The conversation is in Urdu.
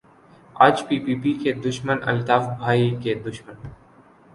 آج پی پی پی کے دشمن الطاف بھائی کے دشمن